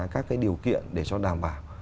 các cái điều kiện để cho đảm bảo